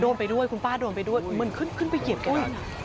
โดนไปด้วยคุณป้าโดนไปด้วยมันขึ้นไปเหยียบกัน